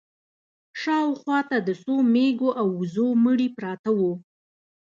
شا و خوا ته د څو مېږو او وزو مړي پراته وو.